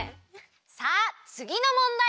さあつぎのもんだい！